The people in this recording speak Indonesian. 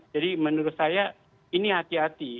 jadi menurut saya ini hati hati